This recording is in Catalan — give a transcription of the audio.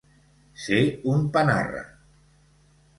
Ser un panarra.